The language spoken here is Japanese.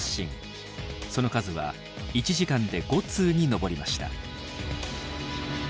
その数は１時間で５通に上りました。